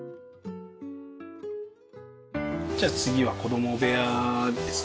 じゃあ次は子供部屋ですかね。